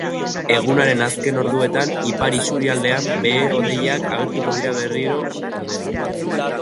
Egunaren azken orduetan, ipar-isurialdean behe-hodeiak agertuko dira berriro, ordea.